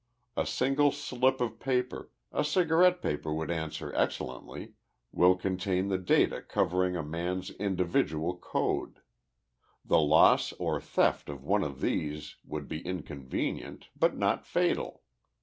A single slip of paper a cigarette paper would answer excellently will contain the data covering a man's individual code. The loss or theft of one of these would be inconvenient, but not fatal.